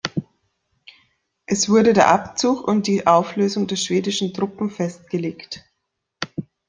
Es wurde der Abzug und die Auflösung der schwedischen Truppen festgelegt.